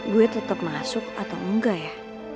gue tetap masuk atau enggak ya